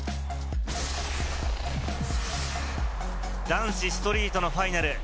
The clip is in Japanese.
男子ストリートのファイナル。